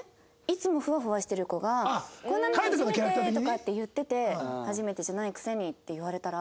いつもふわふわしてる子が「こんなの初めて！」とかって言ってて「初めてじゃないくせに」って言われたら。